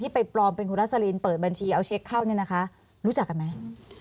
ไปปลอมเป็นคุณรัสลินเปิดบัญชีเอาเช็คเข้าเนี่ยนะคะรู้จักกันไหม